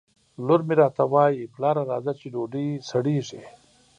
لور مې راته وایي ! پلاره راځه چې ډوډۍ سړېږي